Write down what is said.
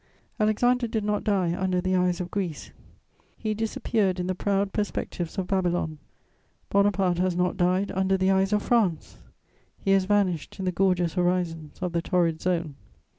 Alexander did not die under the eyes of Greece; he disappeared in the proud perspectives of Babylon. Bonaparte has not died under the eyes of France; he has vanished in the gorgeous horizons of the torrid zone.